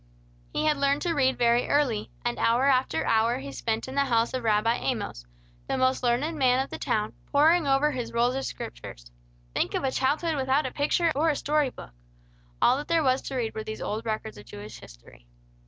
He had learned to read very early; and hour after hour he spent in the house of Rabbi Amos, the most learned man of the town, poring over his rolls of scriptures. Think of a childhood without a picture, or a story book! All that there was to read were these old records of Jewish history.